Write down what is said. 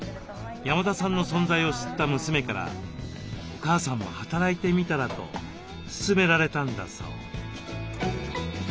山田さんの存在を知った娘からお母さんも働いてみたら？と勧められたんだそう。